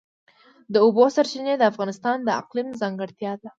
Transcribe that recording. د اوبو سرچینې د افغانستان د اقلیم ځانګړتیا ده.